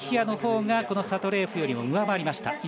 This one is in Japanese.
椰のほうがこのサドレーエフよりも上回りました。